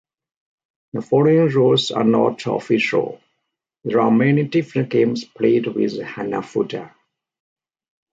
The following rules are not official: there are many different games played with Hanafuda.